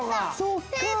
そっか！